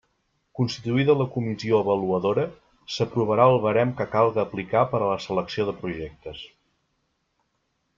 Constituïda la Comissió Avaluadora, s'aprovarà el barem que calga aplicar per a la selecció de projectes.